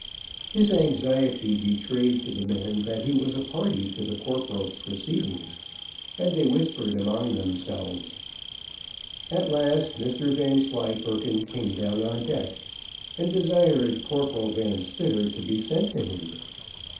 His anxiety betrayed to the men that he was a party to the corporal's proceedings, and they whispered among themselves. At last Mr Vanslyperken came down on deck, and desired Corporal Van Spitter to be sent to him.